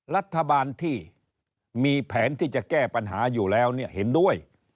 รัฐบาลที่มีแผนที่จะแก้ปัญหาอยู่แล้วเนี่ยเห็นด้วย